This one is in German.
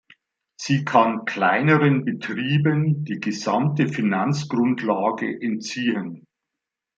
Sie kann kleineren Betrieben die gesamte Finanzgrundlage entziehen.